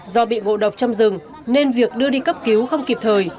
do bị ngộ độc trong rừng nên việc đưa đi cấp cứu không kịp thời